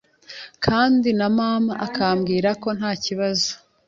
kandi na mama akambwira ko nta kibazo